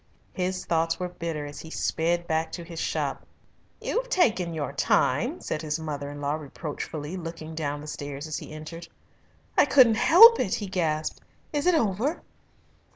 His thoughts were bitter as he sped back to his shop. "You've taken your time," said his mother in law reproachfully, looking down the stairs as he entered. "I couldn't help it!" he gasped. "Is it over?"